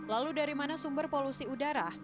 lalu dari mana sumber polusi udara